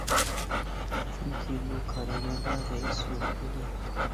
چۈنكى، بۇ كارىدوردا رەئىس يوق ئىدى.